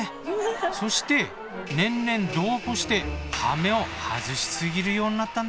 そして年々度を越してハメを外し過ぎるようになったんだって。